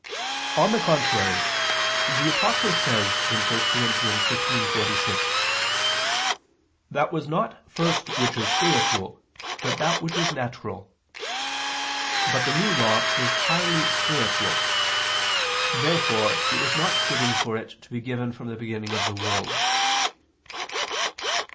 On the contrary, The Apostle says (1 Cor. 15:46): "That was not first which is spiritual, but that which is natural." But the New Law is highly spiritual. Therefore it was not fitting for it to be given from the beginning of the world.